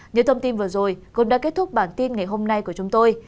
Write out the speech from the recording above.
những thông tin vừa rồi cũng đã kết thúc bản tin ngày hôm nay của chúng tôi